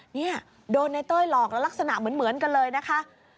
นี่โดนในเต้ยหลอกแล้วลักษณะเหมือนกันเลยนะคะ